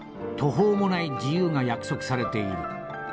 途方もない自由が約束されている』。